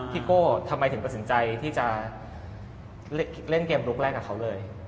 โก้ทำไมถึงตัดสินใจที่จะเล่นเกมลุกแรกกับเขาเลย